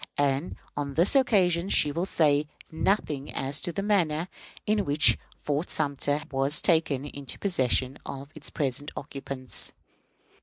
And on this occasion she will say nothing as to the manner in which Fort Sumter was taken into the possession of its present occupants.